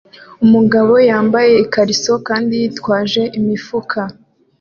Umugabo yambaye ikariso kandi yitwaje imifuka